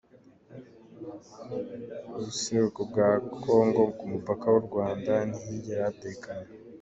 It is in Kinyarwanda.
Ubuseruko bwa Congo ku mupaka w'u Rwanda, ntihigera hatekana.